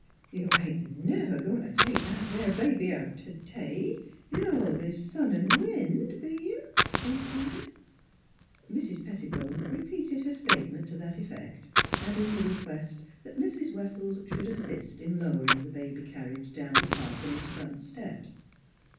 " You ain't never a goin' t' take that there baby out t'day, in all this sun an' wind, be you? " she inquired. Mrs. Pettibone repeated her statement to that effect, adding a request that Mrs. Wessells should assist in lowering the baby carriage down the parsonage front steps.